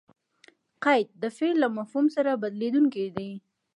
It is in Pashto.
قید؛ د فعل له مفهوم سره بدلېدونکی دئ.